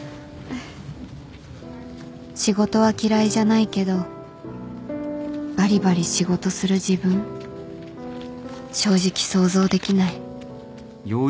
仕事は嫌いじゃないけどばりばり仕事する自分正直想像できない